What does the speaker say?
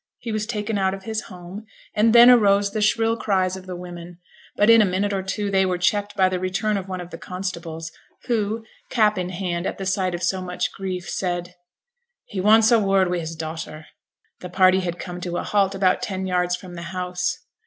He was taken out of his home, and then arose the shrill cries of the women; but in a minute or two they were checked by the return of one of the constables, who, cap in hand at the sight of so much grief, said, 'He wants a word wi' his daughter.' The party had come to a halt about ten yards from the house.